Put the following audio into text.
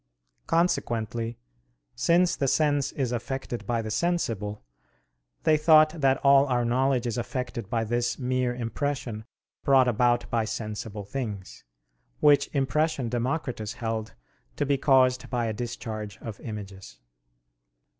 Consequently, since the sense is affected by the sensible, they thought that all our knowledge is affected by this mere impression brought about by sensible things. Which impression Democritus held to be caused by a discharge of images.